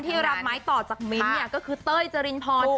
รับไม้ต่อจากมิ้นท์เนี่ยก็คือเต้ยจรินพร